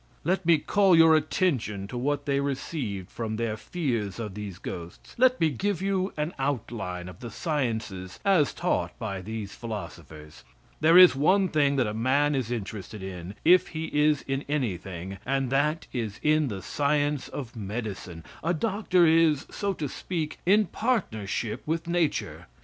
Let me call your attention to what they received from their fears of these ghosts. Let me give you an outline of the sciences as taught by those philosophers. There is one thing that a man is interested in, if he is in anything, and that is in the science of medicine. A doctor is, so to speak, in partnership with Nature.